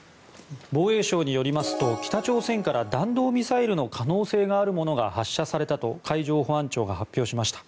防衛省によりますと、北朝鮮から弾道ミサイルの可能性があるものが発射されたと海上保安庁が発表しました。